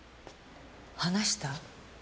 話した？